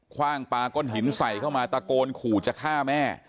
ว่างปลาก้อนหินใส่เข้ามาตะโกนขู่จะฆ่าแม่